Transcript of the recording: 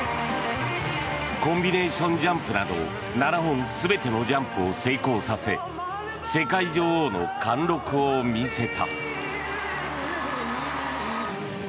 コンビネーションジャンプなど７本全てのジャンプを成功させ世界女王の貫録を見せた。